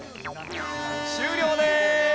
終了です！